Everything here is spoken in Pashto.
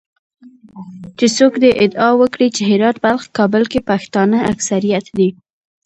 چې څوک دې ادعا وکړي چې هرات، بلخ، کابل کې پښتانه اکثریت دي